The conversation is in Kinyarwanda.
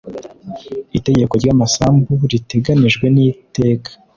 Itegeko ry amasambu riteganijwe n iri teka